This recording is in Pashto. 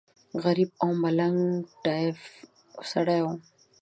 غریب او ملنګ ټایف سړی و.